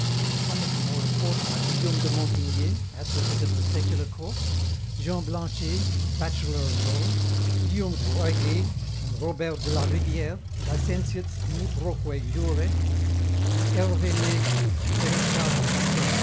Some of the more important are Guillaume de Montigné, advocate of the secular court; Jean Blanchet, bachelor of laws; Guillaume Groyguet and Robert de la Rivière, licentiates in utroque jure, and Hervé Lévi, senescal of Quimper.